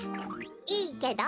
いいけど？